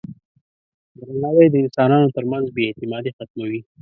درناوی د انسانانو ترمنځ بې اعتمادي ختموي.